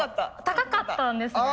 高かったんですね。